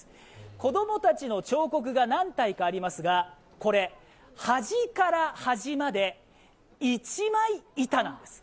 子供たちの彫刻が何体かありますが、端から端まで、一枚板なんです。